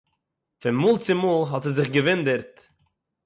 פון מאָל צו מאָל האָט זי זיך געוואונדערט